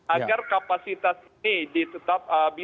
agar kapasitas ini bisa kita relaksasi